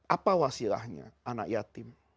apa wasilahnya anak yatim